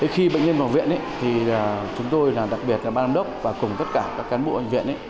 khi bệnh nhân vào viện chúng tôi đặc biệt là bác đồng đốc và cùng tất cả các cán bộ viện